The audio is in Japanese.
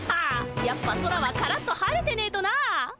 やっぱ空はカラッと晴れてねえとなあ。